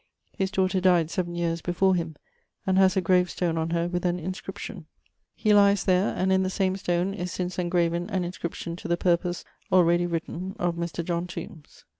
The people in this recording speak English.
His daughter dyed 7 yeares before him, and haz a grave stone on her, with an inscription. He lyes there, and in the same stone is since engraven an inscription to the purpose already written of Mr. John Tombes.